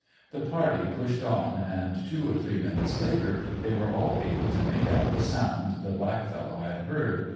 The party pushed on, and two or three minutes later they were all able to make out the sound the black fellow had heard.